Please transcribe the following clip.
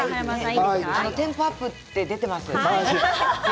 テンポアップって出ています。